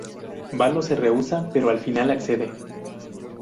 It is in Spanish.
Valo se rehúsa, pero al final accede.